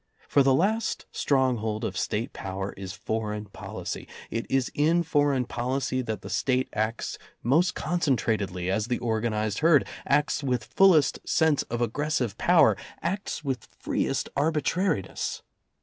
For the last stronghold of State power is foreign policy. It is in foreign policy that the State acts most concentratedly as the organized herd, acts with fullest sense of aggressive power, acts with C 179] freest arbitrariness.